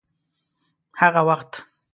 هغه وخت